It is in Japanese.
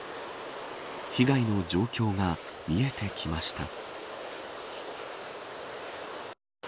被害の状況が見えてきました。